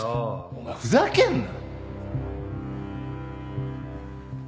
お前ふざけんな！